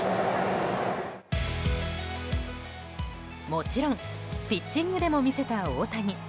もちろんピッチングでも見せた大谷。